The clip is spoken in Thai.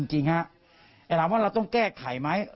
มีจริงครับแต่ถามว่าเราต้องแก้ไขไหม